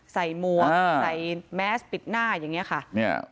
มวกใส่แมสปิดหน้าอย่างนี้ค่ะ